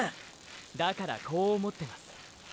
だからこう思ってます。